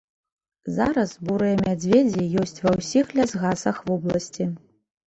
Зараз бурыя мядзведзі ёсць ва ўсіх лясгасах вобласці.